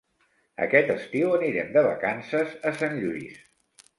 Aquest estiu anirem de vacances a Sant Lluís.